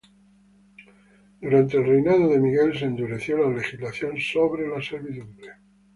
Durante el reinado de Miguel se endureció la legislación sobre la servidumbre.